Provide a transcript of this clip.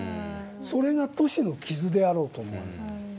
それが都市の傷であろうと思われるんです。